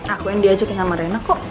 aku yang diajukin sama rena kok